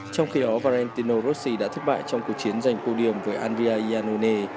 trong khi đó valentino rossi đã thất bại trong cuộc chiến giành podium với andrea iannone